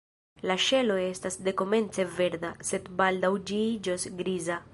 La ŝelo estas dekomence verda, sed baldaŭ ĝi iĝos griza.